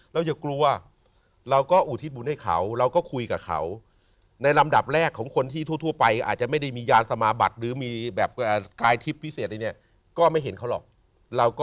แล้วอยากลัวเราก็อุทิศบุญให้เขาเราก็คุยกับเขา